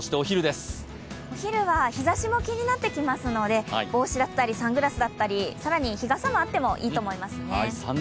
お昼は日ざしも気になってきますので、帽子だったりサングラスだったり更に日傘もあってもいいと思いますね。